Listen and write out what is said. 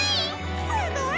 すごい！